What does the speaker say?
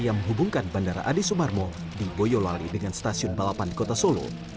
yang menghubungkan bandara adi sumarmo di boyolali dengan stasiun balapan di kota solo